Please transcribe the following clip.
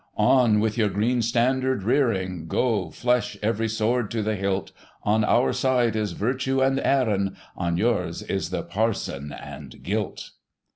" On with your green standard rearing, Go, flesh every sword to the hilt ; On our side is Virtue and Erin, On yours is the parson and guilt."